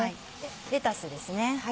レタスですね。